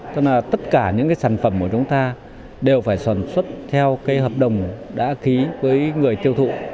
cho nên tất cả những cái sản phẩm của chúng ta đều phải sản xuất theo cái hợp đồng đã ký với người tiêu thụ